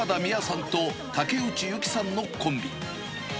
んと竹内ゆきさんのコンビ。